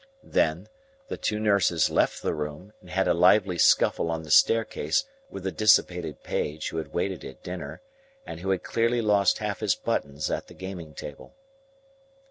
Then, the two nurses left the room, and had a lively scuffle on the staircase with a dissipated page who had waited at dinner, and who had clearly lost half his buttons at the gaming table.